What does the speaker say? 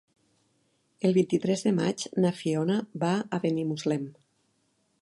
El vint-i-tres de maig na Fiona va a Benimuslem.